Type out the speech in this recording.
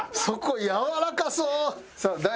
そこやわらかそう！